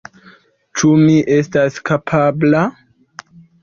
Ĉu mi estas kapabla?